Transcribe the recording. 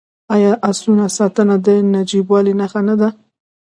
آیا د اسونو ساتنه د نجیبوالي نښه نه ده؟